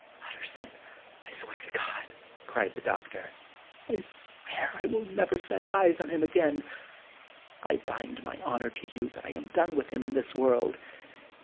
" Utterson, I swear to God !" cried the doctor, " I swear I will never set eyes on him again. I bind my honor to you that I am done with him in this world.